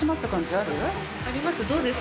あります？